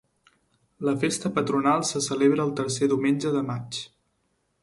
La festa patronal se celebra el tercer diumenge de maig.